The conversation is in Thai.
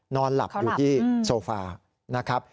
นอนหลับอยู่ที่โซฟานะครับ